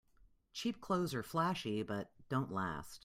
Cheap clothes are flashy but don't last.